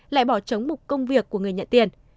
lại bỏ trống một công việc của người nhận tiền